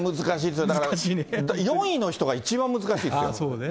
難しいですよ、４位の人が一番難しいですよ。